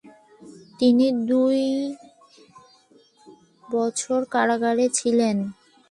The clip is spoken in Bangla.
তিনি দুই বছর কারাগারে ছিলেন।